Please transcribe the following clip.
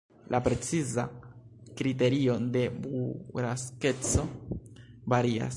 La preciza kriterio de buraskeco varias.